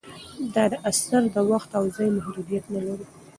دا اثر د وخت او ځای محدودیت نه لري.